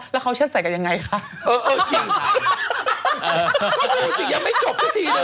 แล้วเขาเชื่อดไส่กันยังไงคะ